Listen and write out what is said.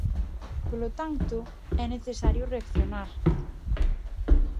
Polo tanto, é necesario reaccionar.